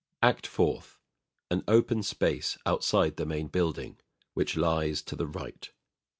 ACT FOURTH An open space outside the main building, which lies to the right.